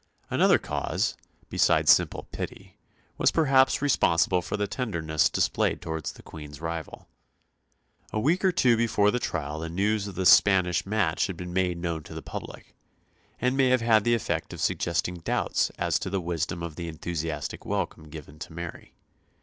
Another cause, besides simple pity, was perhaps responsible for the tenderness displayed towards the Queen's rival. A week or two before the trial the news of the Spanish match had been made known to the public, and may have had the effect of suggesting doubts as to the wisdom of the enthusiastic welcome given to Mary.